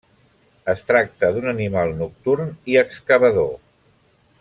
Es tracta d'un animal nocturn i excavador.